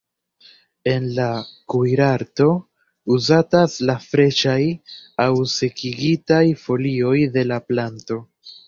En la kuirarto uzatas la freŝaj aŭ sekigitaj folioj de la planto.